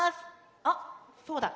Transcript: あっそうだ。